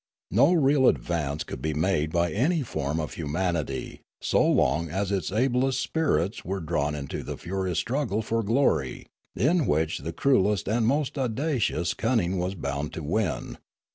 No real advance could be made by any form of humanity so long as its ablest spirits were drawn into the furious struggle for glory, in which the cruellest and most audacious cunning was bound to win.